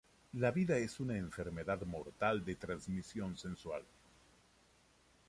La vida es una enfermedad mortal de transmisión sexual